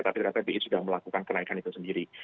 tapi rata rata bi sudah melakukan kenaikan itu sendiri